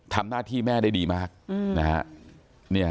ทำหน้าที่แม่ได้ดีมากนะฮะ